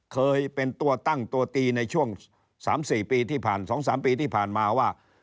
เคยเป็นตัวตั้งตัวตีในช่วง๓๔ปีที่ผ่าน๒๓ปีที่ผ่านมาว่า